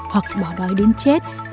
hoặc bỏ đói đến chết